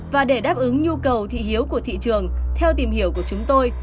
và để đáp ứng nhu cầu thị hiếu của thị trường theo tìm hiểu của chúng tôi